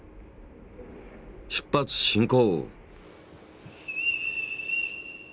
出発進行！